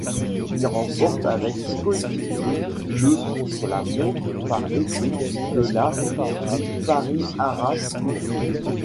Il remporte avec ses coéquipiers le contre-la-montre par équipes de la du Paris-Arras Tour.